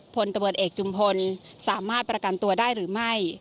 พลตำรวจเอกจุมพลสามารถประกันตัวได้หรือไม่